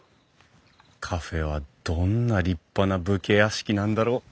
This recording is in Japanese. カフェはどんな立派な武家屋敷なんだろう？